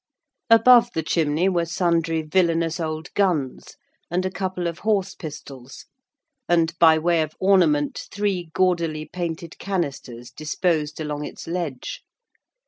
Above the chimney were sundry villainous old guns, and a couple of horse pistols: and, by way of ornament, three gaudily painted canisters disposed along its ledge.